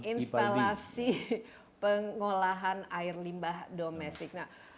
instalasi pengolahan air limbah domestik